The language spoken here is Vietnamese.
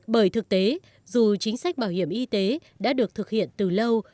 bởi thực tế dù chính sách bảo hiểm y tế đã được thực hiện từ lâu